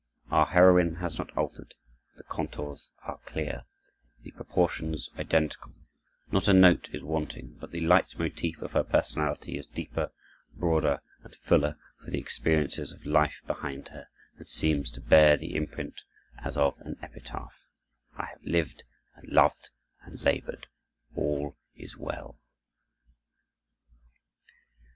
Our heroine has not altered; the contours are clear, the proportions identical, not a note is wanting; but the leit motif of her personality is deeper, broader, and fuller for the experiences of life behind her, and seems to bear the imprint as of an epitaph, "I have lived and loved and labored. All is well."